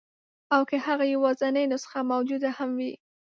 او که هغه یوازنۍ نسخه موجوده هم وي.